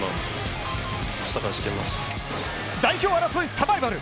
代表争いサバイバル！